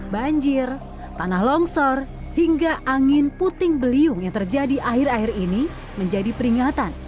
banjir tanah longsor hingga angin puting beliung yang terjadi akhir akhir ini menjadi peringatan